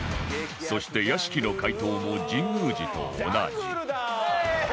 そして屋敷の解答も神宮寺と同じ